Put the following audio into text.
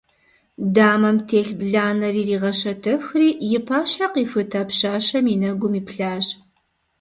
Дамэм телъ бланэр иригъэщэтэхри, и пащхьэ къихута пщащэм и нэгум иплъащ.